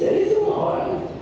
dari semua orang